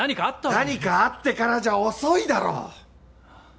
何かあってからじゃ遅いだろ！